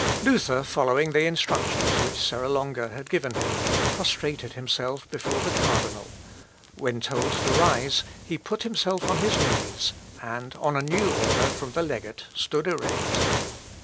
Luther, following the instructions which Serra Longa had given him, prostrated himself before the cardinal; when told to rise, he put himself on his knees; and, on a new order from the legate, stood erect.